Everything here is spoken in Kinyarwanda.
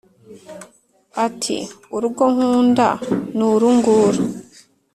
Ati : Urugo nkunda ni uru nguru